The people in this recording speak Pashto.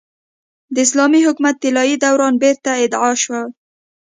د اسلامي حکومت طلايي دوران بېرته اعاده شي.